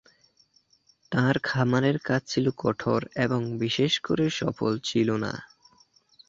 তাঁর খামারের কাজ ছিল কঠোর এবং বিশেষ করে সফল ছিল না।